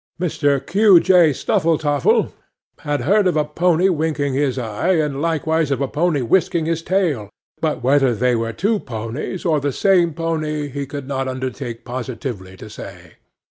'MR. Q. J. SNUFFLETOFFLE had heard of a pony winking his eye, and likewise of a pony whisking his tail, but whether they were two ponies or the same pony he could not undertake positively to say.